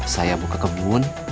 saya buka kebun